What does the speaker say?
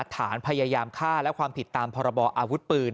ฐานพยายามฆ่าและความผิดตามพรบออาวุธปืน